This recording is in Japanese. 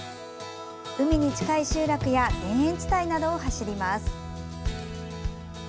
海に近い集落や田園地帯などを走ります。